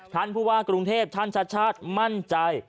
ท่านผู้ว่ากรุงเทพท่านชัดชาติมั่นใจ